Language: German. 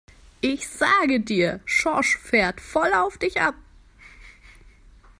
Ich sage dir, Schorsch fährt voll auf dich ab!